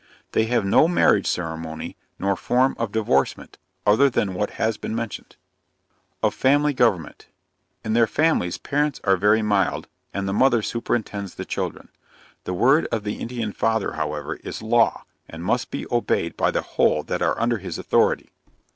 They have no marriage ceremony, nor form of divorcement, other than what has been mentioned. OF FAMILY GOVERNMENT. In their families, parents are very mild, and the mother superintends the children. The word of the Indian father, however, is law, and must be obeyed by the whole that are under his authority.